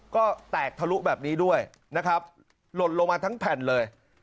ก็แตกทะลุแบบนี้ด้วยนะครับหล่นลงมาทั้งแผ่นเลย